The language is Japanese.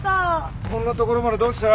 こんな所までどうした？